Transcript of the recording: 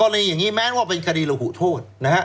ง่ายแม้ว่าเป็นคดีละหูโทษนะฮะ